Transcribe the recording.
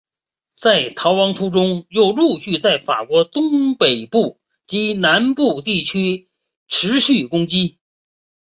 在逃亡途中又陆续在法国东北部及南部地区持续攻击。